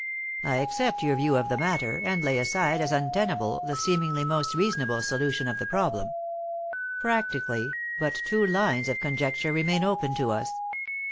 I accept your view of the matter, and lay aside as untenable the seemingly most reasonable solution of the problem. Practically, but two lines of conjecture remain open to us.